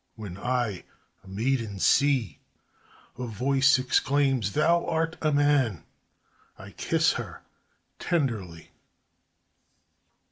When I a maiden see, A voice exclaims: thou art a man! I kiss her tenderly.